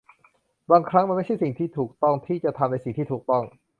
บางครั้งมันไม่ใช่สิ่งที่ถูกต้องที่จะทำในสิ่งที่ถูกต้อง